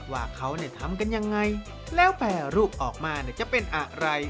ว่าเขาทำกันยังไงแล้วแปรรูปออกมาเนี่ยจะเป็นอะไร